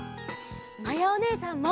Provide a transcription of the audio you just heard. まやおねえさんも。